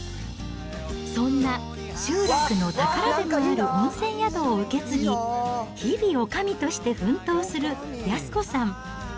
そんな集落の宝でもある温泉宿を受け継ぎ、日々、おかみとして奮闘する靖子さん。